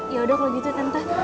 yaudah kalau gitu tante